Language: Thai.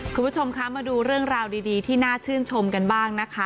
คุณผู้ชมคะมาดูเรื่องราวดีที่น่าชื่นชมกันบ้างนะคะ